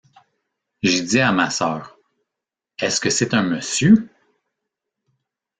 J’ai dit à ma sœur: Est-ce que c’est un monsieur?